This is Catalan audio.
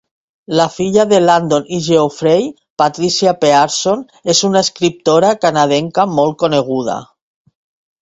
La filla de Landon i Geoffrey, Patricia Pearson, és una escriptora canadenca molt coneguda.